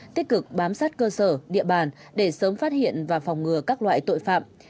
tích cực bám sát cơ sở địa bàn để sớm phát hiện và phòng ngừa các loại tội phạm